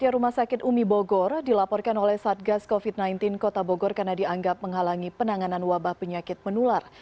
rumah sakit umi bogor dilaporkan oleh satgas covid sembilan belas kota bogor karena dianggap menghalangi penanganan wabah penyakit menular